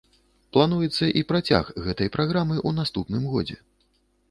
Плануецца і працяг гэтай праграмы ў наступным годзе.